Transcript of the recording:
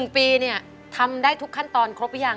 ๑ปีเนี่ยทำได้ทุกขั้นตอนครบหรือยัง